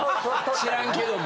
知らんけども。